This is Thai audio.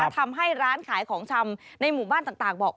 ทำให้ร้านขายของชำในหมู่บ้านต่างบอก